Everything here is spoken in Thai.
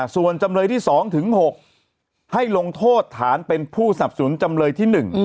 ส่วนจำเลยที่๒๖ให้ลงโทษฐานเป็นผู้สับสนจำเลยที่๑